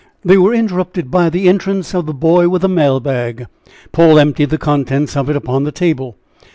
They were interrupted by the entrance of the boy with the mail bag. Paul emptied the contents of it upon the table.